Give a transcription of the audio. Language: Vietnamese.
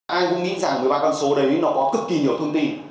ai cũng nghĩ rằng một mươi ba con số đấy nó có cực kỳ nhiều thông tin